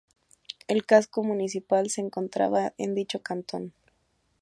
El Casco Municipal se encontraba en dicho cantón.